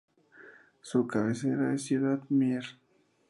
Su cabecera es Ciudad Mier.